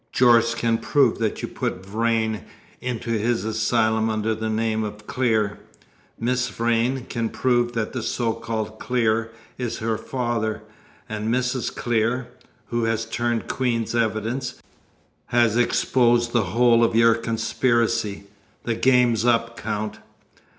Jorce can prove that you put Vrain into his asylum under the name of Clear. Miss Vrain can prove that the so called Clear is her father, and Mrs. Clear who has turned Queen's evidence has exposed the whole of your conspiracy. The game's up, Count."